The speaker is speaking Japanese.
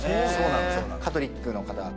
カトリックの方。